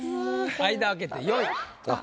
間空けて４位。